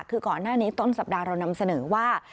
คือก่อนหน้านี้ต้นสัปดาห์เรานำเสนอว่า